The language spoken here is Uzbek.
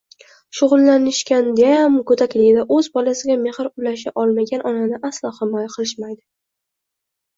Shug`ullanishganidayam go`dakligida o`z bolasiga mehr ulasha olmagan onani aslo himoya qilishmaydi